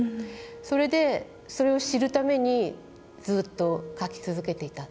それで、それを知るためにずっと書き続けていた。